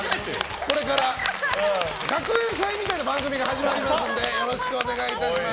これから学園祭みたいな番組が始まりますのでよろしくお願いいたします。